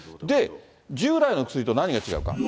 従来の薬と何が違うか。